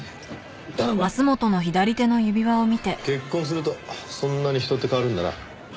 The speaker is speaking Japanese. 結婚するとそんなに人って変わるんだな。